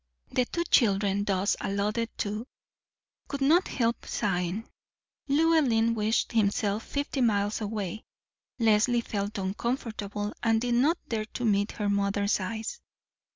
The two children, thus alluded to, could not help sighing. Llewellyn wished himself fifty miles away. Leslie felt uncomfortable, and did not dare to meet her mother's eyes.